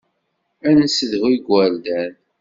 Ad nessedhu igerdan.